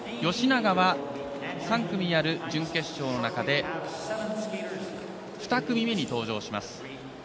吉永は３組ある準決勝の中で２組目に登場します。